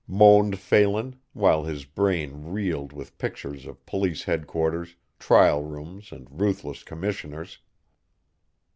moaned Phelan, while his brain reeled with pictures of police headquarters, trial rooms and ruthless commissioners.